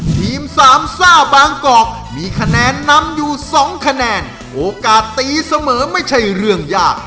ทีมสามซ่าบางกอกมีคะแนนนำอยู่สองคะแนนโอกาสตีเสมอไม่ใช่เรื่องยาก